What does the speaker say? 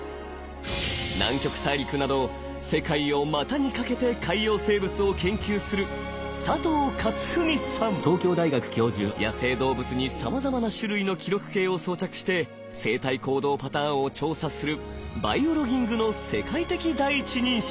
南極大陸など世界を股に掛けて海洋生物を研究する野生動物にさまざまな種類の記録計を装着して生態行動パターンを調査するバイオロギングの世界的第一人者。